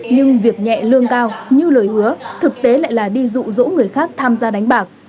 nhưng việc nhẹ lương cao như lời hứa thực tế lại là đi rụ rỗ người khác tham gia đánh bạc